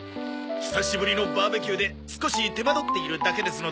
久しぶりのバーベキューで少し手間取っているだけですので。